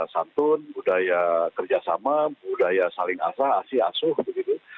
tantun budaya kerjasama budaya saling asah asih asuh begitu